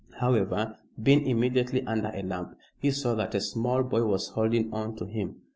However, being immediately under a lamp, he saw that a small boy was holding on to him.